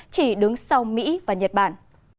chỉ đứng sau mỹ và nhật bản